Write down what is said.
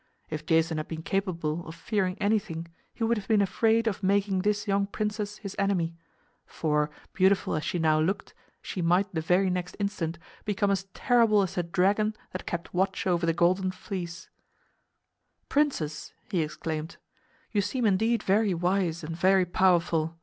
If Jason had been capable of fearing anything he would have been afraid of making this young princess his enemy; for, beautiful as she now looked, she might the very next instant become as terrible as the dragon that kept watch over the Golden Fleece. [Illustration: THE DRAGON FELL AT FULL LENGTH UPON THE GROUND] "Princess," he exclaimed, "you seem indeed very wise and very powerful.